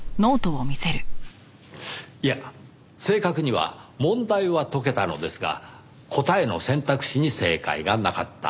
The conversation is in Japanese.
いや正確には問題は解けたのですが答えの選択肢に正解がなかった。